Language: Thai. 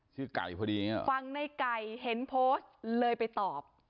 ชื่อไก่พอดีฟังในไก่เห็นโพสต์เลยไปตอบ